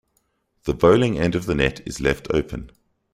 The bowling end of the net is left open.